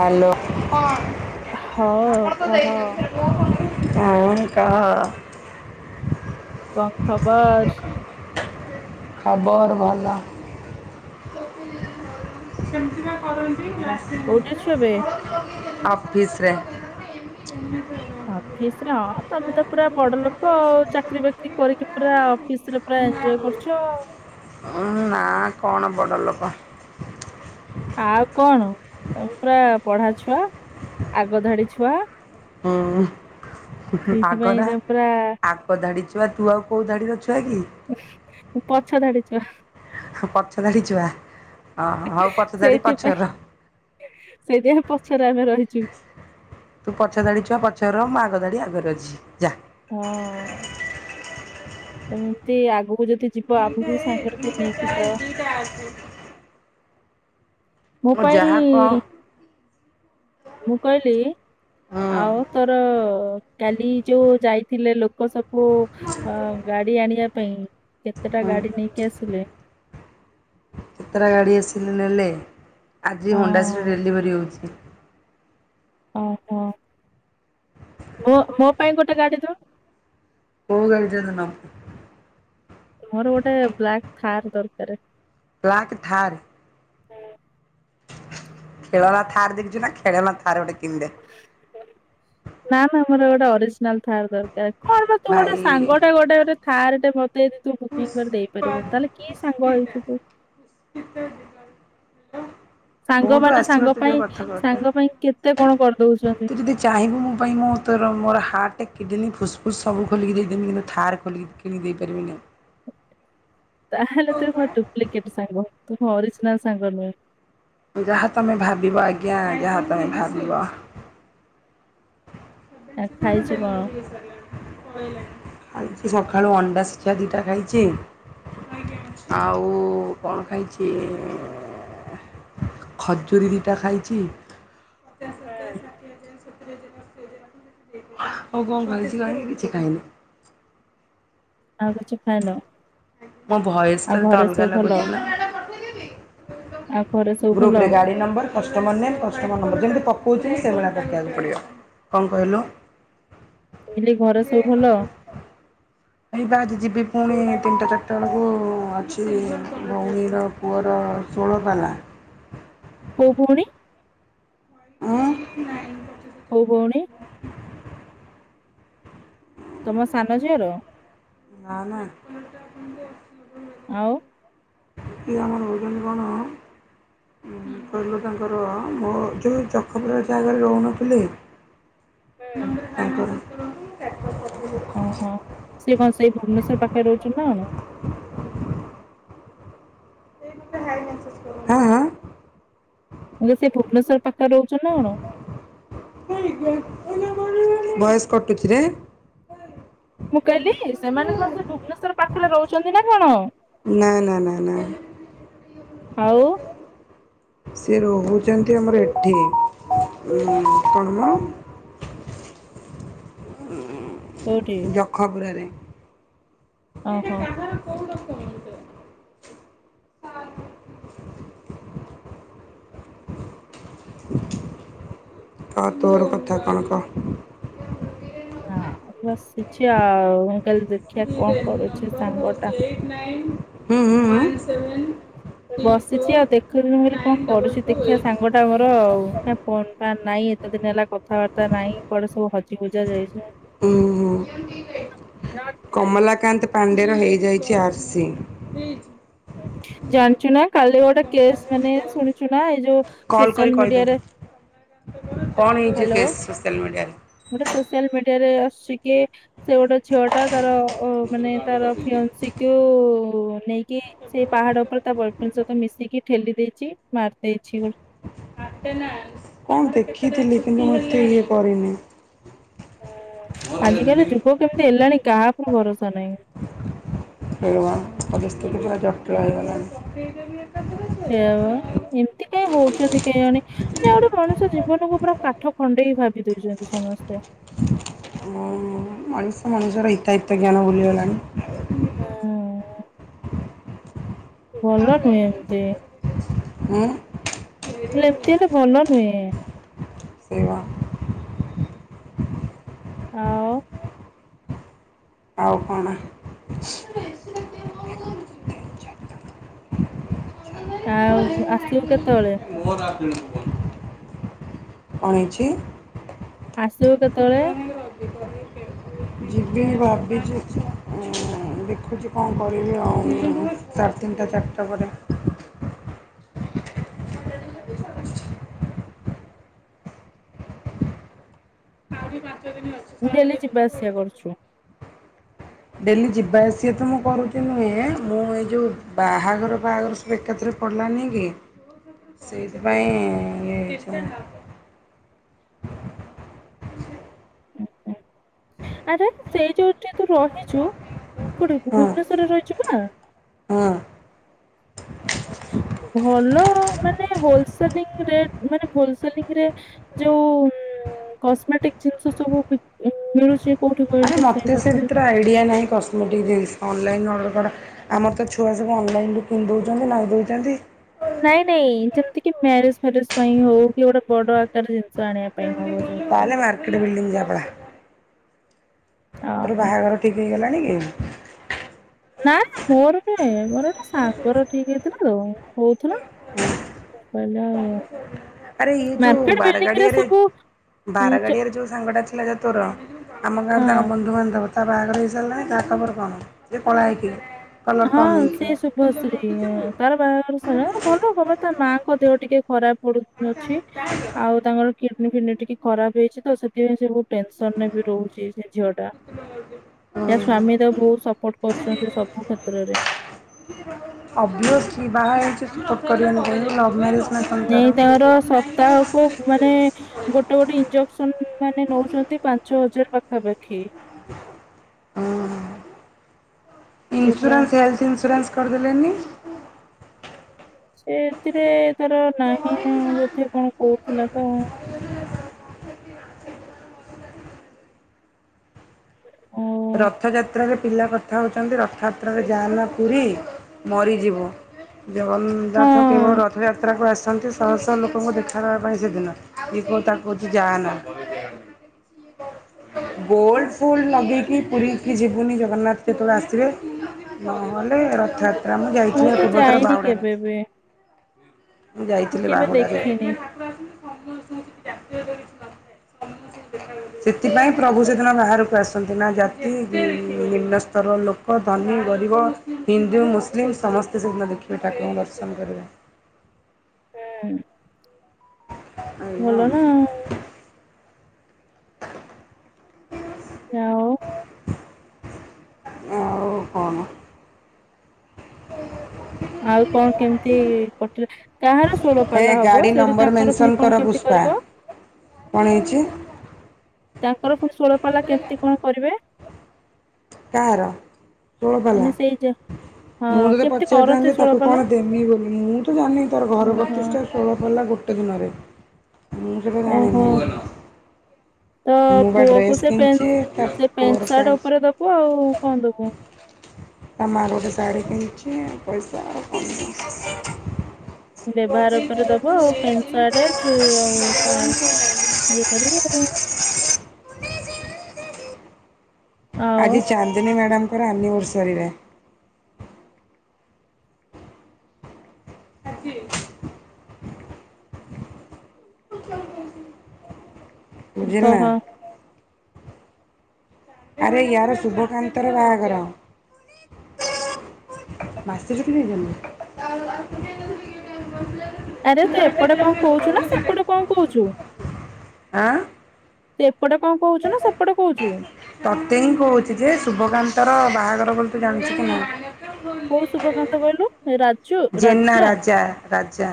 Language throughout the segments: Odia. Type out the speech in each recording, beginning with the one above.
ହ୍ୟାଲୋ ହଁ। ହଁ କହ କହ କଣ ଖବର? ଖବର ଭଲ। କରନ୍ତି କାସରେ [unintelligible] କେବେ? ଅଫିସରେ। ଅଫିସ ରେ ହଁ ତମେ ତ ପୁରା ବଡ ଲୋକ ଆ ଚାକିରରି ବାକିରି କରିକି ପୁରା ଅଫିସ ରେ ପୁରା ଏଞ୍ଜୟ କରୁଛ ଆଉ। ଉଁ ନା କଣ? ବାୱା [unintelligible] ଆଉ କଣ ତମେ ପୁରା ପଢା ଛୁଆ ଆଗ ଧାଡି ଛୁଆ। ହଁ। ଆଗ ସେଇଥିପାଇଁ ନା ତମେ ପୁରା ଆଗ ଧାଡି ଛୁଆ ତୁ ଆଉ କୋଉ ଧାଡିର ଛୁଆ କି? ପଛ ଧାଡି ଛୁଆ। ପଛ ଧାଢି ଛୁଆ ହଉ ପଛ ଧାଢି ସେଇଥିପାଇଁ ପଛରେ ରହ। ସେଇଥିପାଇଁ ପଛରେ ଆମେ ରହିଛୁ। ତୁ ପଛ ଧାଡି ଛୁଆ ପଛର ମୁଁ ଆଗ ଧାଡି ଆଗରେ ରହିଛି। ହଁ ସେମିତି ଆଗକୁ ଯଦି ଯିବ ଆଗକୁ ସାଙ୍ଗରେ କିଏ ନେଇକି ଯାଅ। ମୁଁ ଯାହା କହ ମୋବାଇଲ ମୁଁ କହିଲି ହୁଁ ଆଉ ତୋର କାଲି ଯୋଉ ଯାଇଥିଲେ ଲୋକ ଲୋକ ସବୁ ଅ ଗାଡି ଆଣିବା ପାଇଁ କେତେଟା ହୁଁ ଗାଡି ନେଇକି ଆସିଲେ? କେତେଟା ଗାଡ଼ି ଆସିଲେ ନେଲେ ଆଜି ହଣ୍ଡାସିର ହଁ ଡେଲିଭରି ହଉଛି। ଓହୋ ମୋ ମୋ ପାଇଁ ଗୋଟେ ଗାଡ଼ି ଦଉ। [unintelligible] ମୋର ଗୋଟେ ବ୍ଲାକ୍ ଥାର୍ ଦରକାରେ। ବ୍ଲାକ ଥାରେ। ଖେଳନା ଥାରେ ଦେଖିଛୁ ନା ଖେଳନା ଥାରେ ଗୋଟେ କି କିଣି ଦେ। ନା ନା ଗୋଟେ ଅରିଜିନାଲ ଥାର୍ ଦରକାର କଣ ବା ତୁ ଭାଇ ଗୋଟେ ସାଙ୍ଗଟା ଗୋଟେ ଗୋଟେ ଥାର ଟେ ମୋ ପାଇଁ ଦି ତୁ ବୁକିଂ କରି ଦେଇ ପାରିବୁ ତାହେଲେ କି ସାଙ୍ଗ ହେଇଛୁ ତୁ। କୋଉଠୁ ସାଙ୍ଗମାନେ ଆସିବ ସାଙ୍ଗ ତୁ ଯୋଉ ପାଇଁ କଥା କହୁଛୁ। ସାଙ୍ଗ ପାଇଁ କେତେ କଣ କରିଦଉଛ। ତୁ ଯଦି ଚାହିଁବୁ ମୋ ପାଇଁ ମୁଁ ତୋର ମୋର ହାର୍ଟ କିଡ଼ନୀ ଫୁସ ଫୁସ୍ ସବୁ ଖୋଲିକି ଦେଇଦେବି କିନ୍ତୁ ଥାର ଖୋଲି କିଣିକି ଦେଇ ପାରିବିନି। ତା ହେଲେ ତୁ ମ ଡୁପ୍ଲିକେଟ ସାଙ୍ଗ ତୁ ଓରିଜିନାଲ ସାଙ୍ଗ ନୁହେଁ। ଯାହା ତମେ ଭାବିବ ଆଜ୍ଞା ଆଜ୍ଞା ଆଜ୍ଞା ଭାବିବ। ଆ ଖାଇଛୁ କଣ? ସେ ସକାଳୁ ଅଣ୍ଡା ଶିଖା ଦୁଇଟା ଖାଇଛି ଆଉ କଣ ଖାଇଛି? ଖଜୁରୀ ଦିଟା ଖାଇଛି। ଆଉ କଣ ଖାଇଛି ଗା କିଛି ଖାଇନି। ଆଉ କିଛି ଖାଇଲ? ମୋ ଭଏସ ଟା ଏତେ ଅଲଗା ଲାଗୁଥିଲା? ଆଉ ଘରେ ସବୁ ଗ୍ରୁପ ଭଲ ରେ ଗାଡି number customer name customer number ଯେମିତି କହୁଥିଲି ସେଭଳିଆ ପକେଇବାକୁ ପଡ଼ିବ କଣ କହିଲୁ? କହିଲି ଘରେ ସବୁ ଭଲ? ଏ ବା ଆଜି ଯିବି ପୁଣି ତିନିଟା ଚାରିଟା ବେଳକୁ ଅଛି ଭଉଣୀର ପୁଅର ଷୋଳପାଲା। କୋଉ ଭଉଣୀ? ଉଁ। ହଉ ଭଉଣୀ। ତମ ସାନଝିଅର? ନା ନା। ଆଉ। ଏ ଆମର କଣ? କହିଲୁ ତାଙ୍କର ମୋ ଯେଉଁ ଚଖପୁର ଯାହା ଘରେ ରହୁନଥିଲି। ହୁଁ। ଓହୋ ସେ କଣ [unintelligible] ସେଇ ଭୁବନେଶ୍ୱର ପାଖରେ ରହୁଛ ନା? ହାଁ ହାଁ। ହେଲେ ସେ ଭୁବନେଶ୍ୱର ପାଖରେ ରହୁଛ ନା କଣ? [unintelligible] ଭଏସ କଟୁଛିରେ ମୁଁ କହିଲି ସେମାନ କଣ ସେ ଭୁବନେଶ୍ଵର ପାଖରେ ରହୁଛନ୍ତି ନା କଣ? ନା ନା ନା ନା। ଆଉ? ସେ ରହୁଛନ୍ତି ଆମର ଏଠି ଉମ୍ କଣ ମ, କୋଉଠି ଉଁ ଯଖପୁରାରେ। ସେଇଟା ଓହୋ। କାହାର କୋଉ ରକମ [unintelligible] କ ତୋର କଥା କଣ କ। ହଁ ବସିଛି ଆଉ କଇଲି ଦେଖିବା କଣ କରୁଛି ସାଙ୍ଗଟା। ହୁଁ ହୁଁ [unintelligible] ବସିଛି ଆଉ ଦେଖୁଁ ବୋଲି କଣ କରୁଛି ଦେଖିବା ସାଙ୍ଗଟା ମୋର ଆଉ ଫୋନ ଫାନ ନାହିଁ ଏତେଦିନ। କଥାବାର୍ତ୍ତା ନାଇଁ କୁଆଡେ ସବୁ ହଜିହୁଯା ଯାଇଛ। ଉୁଁ ହୁଁ। ହ [unintelligible] [inaudible] କମଲାକାନ୍ତ ପାଣ୍ଡେର ହେଇଯାଇଛି ଆର୍ସି। ଜାଣିଛୁ ନା କାଲି ଗୋଟେ କେସ୍ ମାନେ ଶୁଣିଛୁ ନା ଏ କଲ୍ କରି ସୋସିଆଲ କହିଦେବୁ ମିଡିଆରେ କଣ ହେଇଛି ହ୍ୟାଲୋ କେସ୍ ସୋସିଆଲ୍ ମିଡ଼ିଆରେ ଗୋଟେ ସୋସିଆଲ ମିଡିଆରେ ଆସୁଛି କି ସେ ଗୋଟେ ଝିଅଟା ତାର ମାନେ ତାର ଫିଅନ୍ସି କୁ ନେଇକି ସେଇ ପାହାଡ ଉପରେ ତା ବୟଫ୍ରେଣ୍ଡ ସହିତ ମିଶିକି ଠେଲି ଦେଇଛି, ମାରିଦେଇଛି ବୋଲି। କଣ ଦେଖିଥିଲି କିନ୍ତୁ ମୁଁ ଏତେ ଇଏ କରିନି। ଆଜିକାଲି ଯୁଗ କେମିତି ହେଲାଣି କାହାକୁ ଭରସା ନାହିଁ। ବା ପରିସ୍ଥିତି ବି ଭାରି ଜଟିଳ ହେଇଗଲାଣି। ସେଆ ବା ଏମିତି କାହିଁ ହଉଛନ୍ତି କେହିଁ ଜାଣି ମାନେ ଗୋଟେ ମଣିଷ ଜୀବ ଜୀବନଙ୍କୁ ପୁରା କାଠକଣ୍ଡେଇ ଭାବି ଦେଇଛନ୍ତି ସମସ୍ତେ। ମଣିଷ ମଣିଷର ହିତାହିତ ଜ୍ଞାନ ଭୁଲିଗଲାଣି। ହଁ ଭଲ ନୁହେଁ ଏମିତି। ହୁଁ। ଏମିତି ହେଲେ ଭଲ ନୁହେଁ। ସେଇବା। ଆଉ। ଆଉ କଣ? [unintelligible] ଆଉ ଆସିବୁ କେତେବେଳେ? କଣ ହେଇଛି? ଆସିବୁ କେତେବେଳେ? ଯିବିନି ଭାବିଛି ଉଁ। ଦେଖୁଛି କଣ କରିବି ଆଉ? ସାଢ଼େ ତିନିଟା ଚାରିଟା ପରେ। [unintelligible] ଆହୁରି ବା ଉଁ ଡେଲି ଯିବା ଆସିବା କରୁଛୁ। ହୁଁ! ଡେଲି ଯିବା ଆସିବା ତ ମୁଁ କରୁଛି ନୁହେଁ ମୁଁ ଏଇ ଯୋଉଁ ବାହାଘର ଫାହାଘର ସବୁ ଏକାଥରେ ପଡିଲି ମାନିକି ସେଥିପାଇଁ ଏ ଆରେ ସେଇ ଯୋଉଠି ତୁ ରହିଛୁ। ତୁ କୋଉଠି ହଁ ଭୁବନେଶ୍ୱରରେ ରହିଛୁ ପା। ହଁ ଭଲ ମାନେ ହୋଲସେଲିଂ ରେଟ ମାନେ ହୋଲସେଲିଂରେ ଯୋଉ କସ୍ମେଟିକ ଜିନିଷ ସବୁ ମିଳୁଛି। କୋଉଠି ଆରେ କହିଲୁ ସେଇ ମୋତେ ସେ ପାଖରେ ଭିତରେ ଆଇଡ଼ିଆ ନାହିଁ କସ୍ମେଟିକ୍ ଜିନିଷ ଅନଲାଇନ୍ ଅର୍ଡ଼ର୍ କର। ଆମର ତ ଛୁଆ ସବୁ ଅନଲାଇନ କିଣି ଦଉଛନ୍ତି ନାଇଁ ଦଉଛନ୍ତି। ନାଇଁ ନାଇଁ ଯେମିତି କି ମ୍ୟାରେଜ ଫ୍ୟାରେଜ ପାଇଁ ହଉ କି ଗୋଟେ ବଡ ଆକାର ଯେମତି ଜାଣିବା ପାଇଁ ହବ ତାହେଲେ ଯେମିତି ମାର୍କେଟ ବିଲ୍ଡିଂ ଯାବଳା ତୋର ଓହୋ ବାହାଘର ଠିକ୍ ହେଇଗଲାଣି କି? ନାଇ ମୋର ନୁହେଁ ମୋର ଗୋଟେ ସାଙ୍ଗର ଠିକ ହେଇଥିଲା ତ କୋହୁଥିଲା। କହିଲା ଆଉ ଆରେ ଇ ଯୋଉ ବାରଗାଡିଆରେ ବାରଗାଡିଆରେ ଯୋଉ ସାଙ୍ଗଟା ଥିଲା ଯେ ତୋର ଆମ ଗାଁରେ ହଁ ତାଙ୍କ ବନ୍ଧୁବାନ୍ଧବ ତା ବାହାଘର ହେଇସାରିଲାଣି ତାହା ଖବର କଣ ସେଏ କଳା ହେଇକି କଲର୍ ହଁ କମ୍ ହେଇକି ସେ ଶୁଭଶ୍ରୀ ତାର ବାହାଘର ସାରିଲାଣି ଭଲ ଖବର ତା ମାଙ୍କ ଦେହ ଟିକେ ଖରାପ। ପ ଅଛି ଆଉ ତାଙ୍କର କିଡନୀ ଫିଡନୀ ଟିକେ ଖରାପ ହେଇଛି ତ ସେଥିପାଇଁ ସେ ବହୁତ ତେନ୍ସନ ରେ ବି ରହୁଛି ସେ ଝିଅ ଟା ତା ଓହୋ ସ୍ଵାମୀ ତାକୁ ବହୁତ ସପୋର୍ଟ କରୁଛନ୍ତି ସବୁ କ୍ଷେତ୍ରରେ। ଅବ୍ୟସ୍ଲି ବାହା ହେଇଚନ୍ତି କରିବା ପଡିବ। ଏଇ ତାଙ୍କର ସପ୍ତାହକୁ ମାନେ ଗୋଟେ ଗୋଟେ ଇଞ୍ଜେକ୍ସନ ମାନେ ନେଉଛନ୍ତି ପାଞ୍ଚ ହଜାର ପାଖାପାଖି ହଁ। ସେ ପୁରା ଇନ୍ସୁରାନ୍ସ ଲାଇଫ ଇନ୍ସୁରାନ୍ସ କରିଦେଲେନି। ସେ ଏଥିରେ ତର ନାହିଁ ନା ବୋଧେ କଣ କହୁଥିଲା ତ। ଅ ରଥଯାତ୍ରାରେ ପିଲା କଥା ହଉଛନ୍ତି ରଥଯାତ୍ରାରେ ଯାଆ ନା ପୁରୀ। ମରିଯିବ ଜଗନ୍ନାଥ ହଁ କେବଳ ରଥଯାତ୍ରାକୁ ଆସି। ଅଛନ୍ତି ଶହ ଶହ ଲୋକଙ୍କୁ ଦେଖା ଦେବା ପାଇଁ ସେଦିନ କି କେଉ ତା କହୁଛି ଯାଆନା। ଗୋଲ୍ଡ ଫୋଲ୍ଡ ଲଗେଇକି ପୁରୀକି ଯିବୁନି ଜଗନ୍ନାଥ କେତେବେଳେ ଆସିବେ? ନହଲେ ରଥଯାତ୍ରା ମୁଁ ଯାଇଥିଲି ତ ପୂର୍ବଥର ଯାଇନି ବାଉଡାରେ। କେବେ ବି। ମୁଁ ଯାଇଥିଲି କେବେ ବାହୁଡାରେ। ଦେଖିନି ହଁ। ସେଥିପାଇଁ ପ୍ରଭୁ ସେଦିନ ବାହାରକୁ ଆସନ୍ତି ନା ଜାତି ନିମ୍ନ ସ୍ତର ଲୋକ ଧନୀ। ହିନ୍ଦୁ ମୁସଲି ସମସ୍ତେ ସେଦିନ ଦେଖିବେ ଠାକୁରଙ୍କୁ ଦର୍ଶନ କରିବେ। ହୁଁ। ଭଲ ନା ଆଉ ଆଜ୍ଞା। [unintelligible] ଆଉ କଣ? ହଁ। ଆଉ କଣ କେମିତି କଟିଲ। କାହାର ହେ ଷୋଳପଲା ହବ? ଗାଡ଼ି ସେଇଠି ନମ୍ବର ତାଙ୍କର ମେନସନ୍ ପୁଣି କର କଣ କେମତି? ପୁଷ୍ପା କରିବ। କଣ ହେଇଚି? ତାଙ୍କର ପୁଣି ଶୋଳପାଲା କେମିତି କଣ କରିବେ? କାହାର ଷୋଳ ପାଲା? ମାନେ ସେଇ ଯେ ହଁ ମୁଁ ତତେ କେମିତି କରନ୍ତି ପଚାରିଥାନ୍ତି ତାକୁ ଷୋଳପାଲା କଣ ଦେମି ବୋଲି। ମୁଁ ତ ଜାଣିନି ତାର ଘର ଓହୋ ପ୍ରତିଷ୍ଠା ଷୋଳ ପାଲା ଗୋଟେ। ଦିନରେ ମୁ ସେଇଟା ଓହୋ ଜାଣିନି। ତ ମୁଁ ବା ପୁଅକୁ ଡ୍ରେସ୍ ସେ ପେ କିଣିଛି ତା ସେ ପୁଅର ପେଣ୍ଟ ସାର୍ଟ ପ୍ୟାଣ୍ଟ ଉପରେ ଦଖୁ ଆଉ କଣ ଦବୁ? ଆମର ଗଟେ ଶାଢ଼ୀ କିଣିଛିି ପଇସା କ ବ୍ୟବହାର ଉପରେ ଦବ ଆଉ ପେନ୍ ସାର୍ଟ ଆଉ। ଇଏ କରିବ ଆଉ। [inaudible] ଆଉ ଆଜି ଚାନ୍ଦିନୀ ମ୍ୟାଡ଼ାମଙ୍କର ଆନିଭର୍ଷରି ଡେ। ବୁଝିଲୁ କହ ନାଁ। ଆରେ ୟାର ଶୁଭକାନ୍ତର ବାହାଘର। ବାସିରେ କିଣିଚ ଆରେ ତୁ ଏପଟେ କଣ କହୁଚୁ ନା ସେପଟେ କଣ କହୁଚୁ? ଆଁ ତୁ ଏପଟେ କଣ କହୁଚୁ ନା ସେ ତତେ ହିଁ କହୁଚି ଯେ ଶୁଭକାନ୍ତର ବାହାଘର ବୋଲି ତୁ ଜାଣିଚୁ କି ନାଁହି। କୋଉ ଶୁଭକାନ୍ତ କହିଲୁ ରାଜୁ ଜେନା ରାଜା ରାଜା।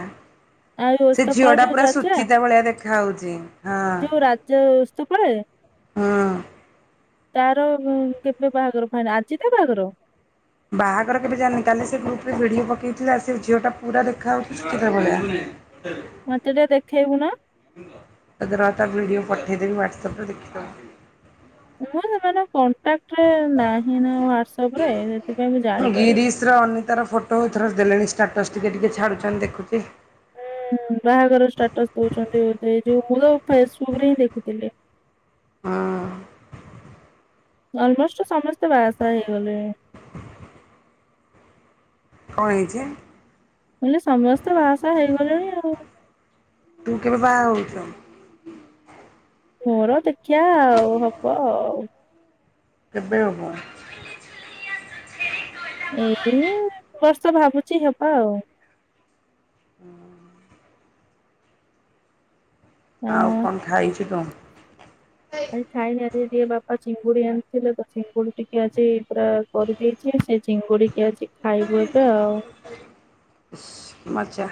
ଆଉ ସେ ଓସ୍ତପାଳ ଝିଅ ଟା ଯୋଉ ପୁରା ରାଜା ସୁଚିତା ଭଳିଆ ଦେଖା ହଉଚି ହଁ। ଯୋଉ ରାଜା ଓସ୍ତପାଳ ହଁ। ତାର କେବେ ବାହାଘର ଫାଇ ଆଜି ତା ବାହାଘର। ବାହାଘର କେବେ ଜାଣିନି କାଲି ସେ ଗ୍ରୁପରେ ଭିଡ଼ିଓ ପକେଇଥିଲା ସେ ଝିଅଟା ପୁରା ଦେଖାଯାଉଚି ସୁଚିତା ଭଳିଆ। ମତେ ଟିକେ ଦେଖେଇବୁ ନା? ରଅ ତା ବିିଡ଼ିଓ ପଠେଇଦେବି ୱାତ୍ସପ୍ ରେ ଦେଖିଦବୁ। ମୁଁ ସେମାନଙ୍କ କଣ୍ଟାକ୍ଟରେ ନାହିଁ ନା ହ୍ଵାଟସପ ରେ ସେଥି ଗିରିଶ୍ର ଅନିତାର ଫଟୋ ଏଥର ଦେଲେଣି ଷ୍ଟାଟସ୍ ଟିକେ ଟିକେ ଛାଡୁଛନ୍ତି ଦେଖୁଚି। [inaudible] ହୁଁ ବାହାଘର ଷ୍ଟାଟସ ଦଉଛନ୍ତି ଏଇ ଯଉ ମୁଁ ତ ଫେସବୁକ୍ ରେ ହିଁ ଦେଖିଥିଲି। ହଁ। ଅଲମୋଷ୍ଟ ସମସ୍ତେ ବା ସା ହେଇଗଲେଣି। କଣ ହେଇଚି? ମୁଁ କଇଲି ସମସ୍ତେ ବାହାସାହା ହେଇଗଲେଣି ଆଉ। ତୁ କେବେ ବାହା ହଉଚୁ? ମୋର ଦେଖିବା ଆଉ ହବ ଆଉ। କେବେ ହେବ ଝୁଲି ଝୁଲି ଆସୁଛିରେ କଳା ଏଇ ବର୍ଷ ଭାବୁଚି ହେବ ଆଉ। ହୁଁ। ଆଉ ହଁ। କଣ ଖାଇଚୁ କଣ। ଆଜି ଖାଇନି ଆଦିର୍ ଟିକେ ବାପା ଚିଙ୍ଗୁଡ଼ି ଆଣିଥିଲେ ତ ଚିଙ୍ଗୁଡିଟିକେ ଆଜି ପୁରା କରିଦେଇଚି ସେଇ ଚିଙ୍ଗୁଡି ଟିକେ ଅଛି ଖାଇବୁ ଏବେ ଆଉ। ମଜା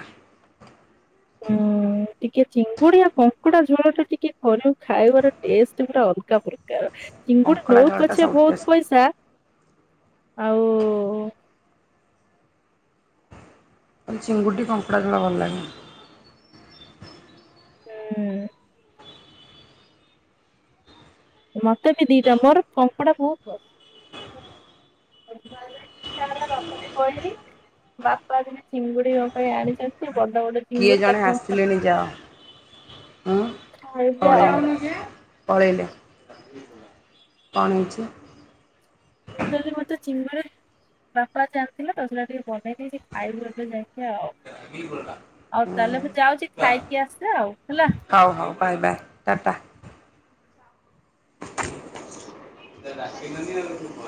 ହୁଁ ଟିକେ ଚିଙ୍ଗୁଡି ଆଉ କଙ୍କଡା ଝୋଳ ଟା ଟିକେ ଫରକ୍ ଖାଇବାର ଟେଷ୍ଟେ ପୁରା ଅଲଗା ପ୍ରକାର ଚିଙ୍ଗୁଡି କଙ୍କଡ଼ା ନଉ ଝୋଳଟା ପଛେ ସବୁଠୁ ବହୁତ ଟେଷ୍ଟ। ପଇସା ଆଉ ଚିଙ୍ଗୁଟି କଙ୍କଡ଼ା ଝୋଳ ଭଲ ଲାଗେ। ହୁଁ। ମତେ ବି ଦିଟା ମୋର କଙ୍କଡ଼ା ବହୁତ ପସ ଚା ବାପାଙ୍କୁ କହିଲି। ବାପା ଆଜି ଚିଙ୍ଗୁଡ଼ି ମୋ ପାଇଁ ଆଣିଛନ୍ତି ବଡ ବଡ କିଏ ଚିଙ୍ଗୁଡି ଜଣେ ତାକୁ ଆମେ ତ ଆସିଲେଣି ଯାଅ ହୁଁ ଖାଇଯା ଆଉ ପଳେଇଲେ। ପଳେଇଲେ କଣ ହେଇଚି? ତୁ ଯଦି ମତେ ଚିଙ୍ଗୁୁଡ଼ି ବାପା ଜାଣିଥିଲେ ତ ସଟା ଟିକେ ବନେଇ ଦେଇଚି ଖାଇବୁ ଏବେ ଯାଇକି ଆଉ। ନାଗିଗଲା ଆଉ ତାହେଲେ ଯାଉଚି ଖାଇକି ଆସେ ଆଉ ହେଲା ହଉ ହଉ ବାଏ ବାଏ ଟାଟା। [unintelligible]